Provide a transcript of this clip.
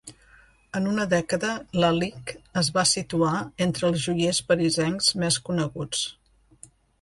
En una dècada, Lalique es va situar entre els joiers parisencs més coneguts.